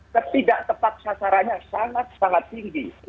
ketidak tepat sasarannya sangat sangat tinggi